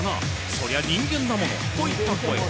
そりゃ人間だものといった声。